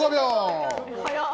早っ！